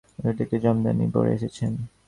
প্রদর্শনীতে একটি জামদানি শাড়ি পরে এসেছেন।